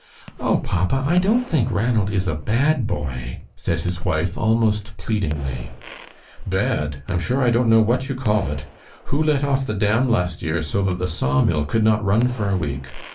"Oh, papa, I don't think Ranald is a BAD boy," said his wife, almost pleadingly. "Bad? I'm sure I don't know what you call it. Who let off the dam last year so that the saw mill could not run for a week?